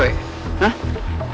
lo mau ngalamin cewek